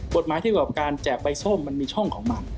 กฎหมายที่เกี่ยวกับการแจกใบส้มมันมีช่องของมัน